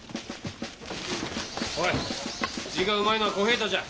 おい字がうまいのは小平太じゃ。